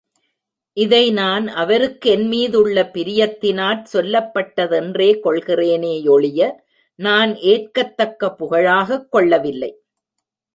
இதை நான் அவருக்கு என் மீதுள்ள பிரியத்தினாற் சொல்லப்பட்டதென்றே கொள்கிறேனே யொழிய, நான் ஏற்கத்தக்க புகழாகக் கொள்ளவில்லை.